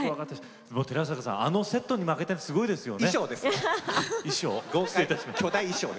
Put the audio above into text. あのセットに負けたらすごいですよね。